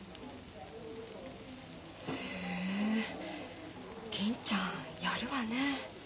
へえ銀ちゃんやるわね。